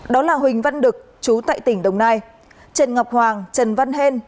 đó là huỳnh văn đực chú tại tỉnh đồng nai trần ngọc hoàng trần văn hên